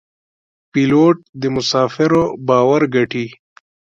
پیلوټ د مسافرو باور ګټي.